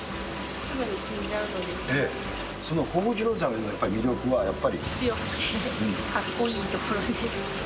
すぐに死んじゃうそのホホジロザメの魅力はや強くてかっこいいところです。